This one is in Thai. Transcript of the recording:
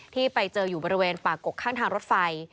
ที่ไปเจออยู่บริเวณป่ากกข้างทางรถไฟ